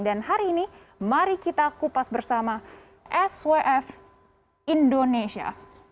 dan hari ini mari kita kupas bersama swf indonesia